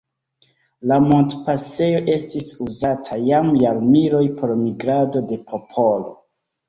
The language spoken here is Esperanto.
La montpasejo estis uzata jam jarmiloj por migrado de popolo.